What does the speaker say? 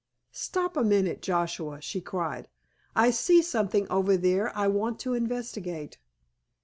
"Stop a minute, Joshua," she cried, "I see something over there I want to investigate.